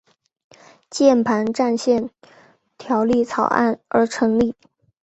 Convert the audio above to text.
键盘战线条例草案而成立。